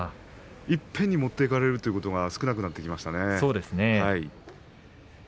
いっぺんに持っていかれるというのが少なくなってきましたね。